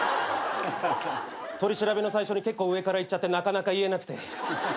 取り調べの最初に結構上からいっちゃってなかなか言えなくて。